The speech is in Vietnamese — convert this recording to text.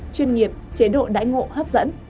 chuyên nghiệp chế độ đáy ngộ hấp dẫn